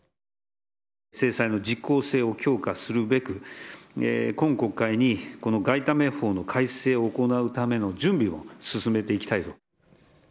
制裁の実効性を強化するべく、今国会にこの外為法の改正を行うための準備を進めていきたい。